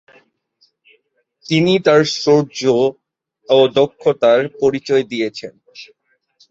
তিনি তাঁর শৌর্য ও দক্ষতার পরিচয় দিয়েছেন।